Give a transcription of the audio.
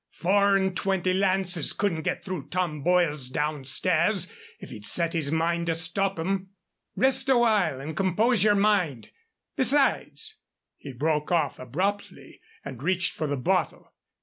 Four and twenty lances couldn't get through Tom Boyle downstairs if he'd set his mind to stop them. Rest awhile and compose yer mind. Besides " He broke off abruptly and reached for the bottle.